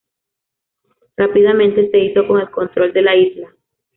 Rápidamente se hizo con el control de la isla.